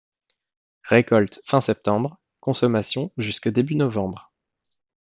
Récolte fin septembre, consommation jusque début novembre.